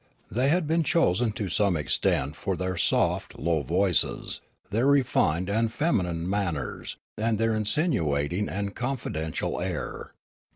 They had been chosen to some extent for their soft, low voices, their refined and feminine manners, and their insinuating and confiden tial air.